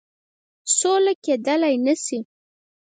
سوله کېدلای نه سي.